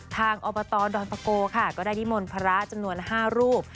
อบตดอนปะโกค่ะก็ได้นิมนต์พระจำนวน๕รูป